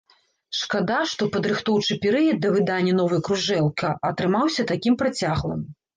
Шкада, што падрыхтоўчы перыяд да выдання новай кружэлка атрымаўся такім працяглым!